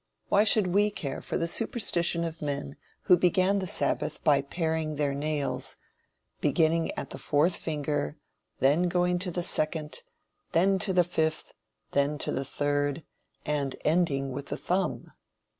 Why should we care for the superstition of men who began the sabbath by paring their nails, "beginning at the fourth finger, then going to the second, then to the fifth, then to the third, and ending with the thumb?"